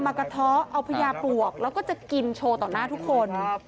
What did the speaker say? มากะท้อเอาพระยาปลวกแล้วก็จะกินโชว์ต่อหน้าทุกคนครับ